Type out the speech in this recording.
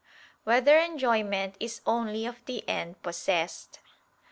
4] Whether Enjoyment Is Only of the End Possessed?